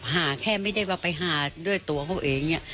หาแค่ไม่ได้ว่าไปหาด้วยตัวเขาเอง